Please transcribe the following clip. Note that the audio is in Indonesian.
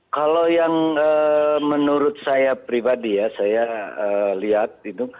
kalau yang menurut saya pribadi ya saya lihat